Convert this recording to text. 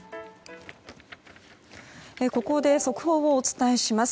ここで速報をお伝えします。